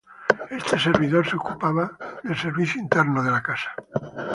Este servidor se ocupaba del servicio interno de la casa.